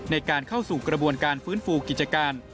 ในการเข้าสู่กระบวนการฟื้นฟูกิจการ